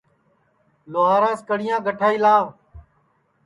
لُہاراس کڑِیاں کڈؔائی لاوَ